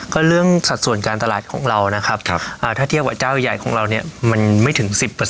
ก็เรื่องสัดส่วนการตลาดของเรานะครับถ้าเทียบกับเจ้าใหญ่ของเราเนี่ยมันไม่ถึง๑๐